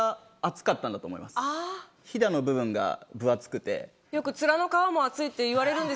あぁ！ひだの部分が分厚くて。